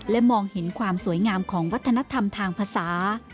และมองเห็นความสวยงามของวัฒนธรรมทางภาษา